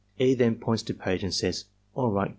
E. then points to page and says "All right.